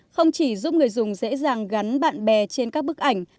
không chỉ giúp người dùng dễ dàng gắn bạn bè trên các bức ảnh